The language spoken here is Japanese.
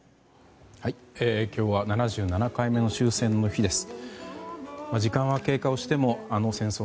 今日は７７回目の終戦の日です。